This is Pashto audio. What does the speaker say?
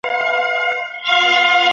ښه ذهنیت هدف نه کموي.